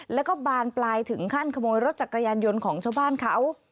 แล้วก็บานปลายถึงขั้นขโมยรถจักรยานยนต์ของชาวบ้านเขา